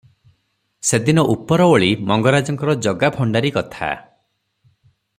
ସେଦିନ ଉପରଓଳି ମଙ୍ଗରାଜଙ୍କର ଜଗା ଭଣ୍ଡାରୀ କଥା ।